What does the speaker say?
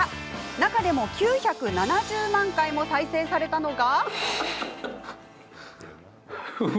中でも９７０万回も再生されたのが。